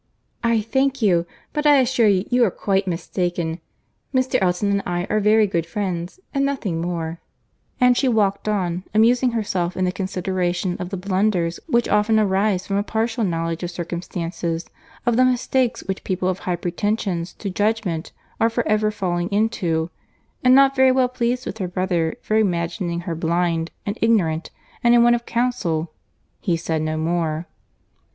"I thank you; but I assure you you are quite mistaken. Mr. Elton and I are very good friends, and nothing more;" and she walked on, amusing herself in the consideration of the blunders which often arise from a partial knowledge of circumstances, of the mistakes which people of high pretensions to judgment are for ever falling into; and not very well pleased with her brother for imagining her blind and ignorant, and in want of counsel. He said no more.